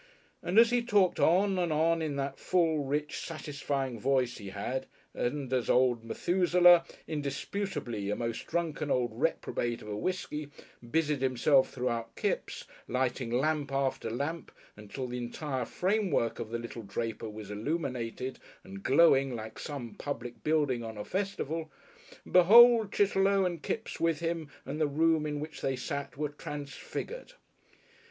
And as he talked on and on in that full, rich, satisfying voice he had, and as old Methusaleh, indisputably a most drunken old reprobate of a whiskey, busied himself throughout Kipps, lighting lamp after lamp until the entire framework of the little draper was illuminated and glowing like some public building on a festival, behold Chitterlow and Kipps with him and the room in which they sat, were transfigured!